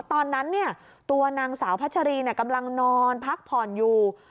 ตอนนั้นตัวนางสาวพัชรีกำลังนอนพักผ่อนอยู่